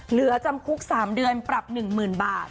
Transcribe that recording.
เหลือจำคุก๓เดือนปรับ๑๐๐๐บาท